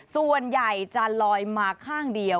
ส่วนใหญ่จะลอยมาข้างเดียว